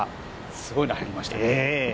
すごいの入りましたね。